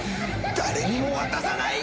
誰にも渡さない！